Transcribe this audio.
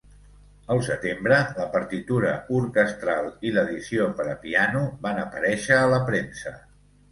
Al setembre, la partitura orquestral i l'edició per a piano van aparèixer a la premsa.